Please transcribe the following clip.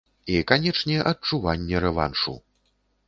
І канечне, адчуванне рэваншу.